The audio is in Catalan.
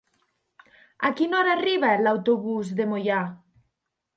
A quina hora arriba l'autobús de Moià?